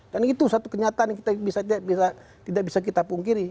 dan itu satu kenyataan yang kita bisa tidak bisa kita pungkiri